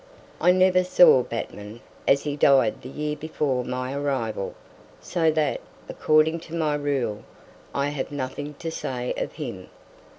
I never saw Batman, as he died the year before my arrival, so that, according to my rule, I have nothing to say of him.